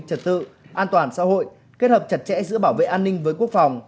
trật tự an toàn xã hội kết hợp chặt chẽ giữa bảo vệ an ninh với quốc phòng